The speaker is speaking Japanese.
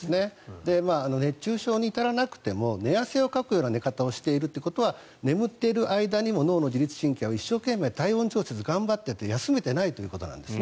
熱中症に至らなくても寝汗をかくような寝方をしているということは眠っている間にも脳の自律神経は一生懸命体温調整を頑張っていて休めていないということなんです。